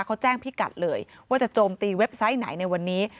เขาแจ้งพิกัดเลยว่าจะโจมตีเว็บไซต์ไหนในวันนี้